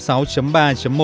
hai sáu ba khu vệ sinh